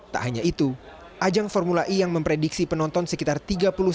tak hanya itu ajang formula e yang memprediksi penonton sekitar tiga puluh satu